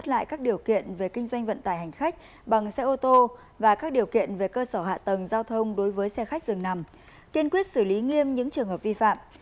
lại các điều kiện về kinh doanh vận tải hành khách bằng xe ô tô và các điều kiện về cơ sở hạ tầng giao thông đối với xe khách dường nằm kiên quyết xử lý nghiêm những trường hợp vi phạm